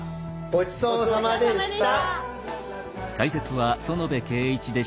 ごちそうさまでした。